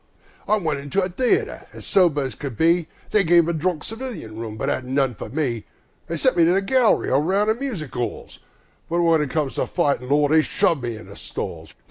I went into a theatre as sober as could be, They gave a drunk civilian room, but 'adn't none for me; They sent me to the gallery or round the music 'alls, But when it comes to fightin', Lord! they'll shove me in the stalls!